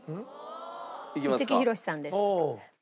五木ひろしさんです。